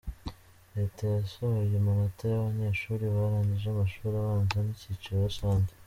Leta yasohoye amanota y’abanyeshuri barangije amashuri abanza n’icyiciro rusange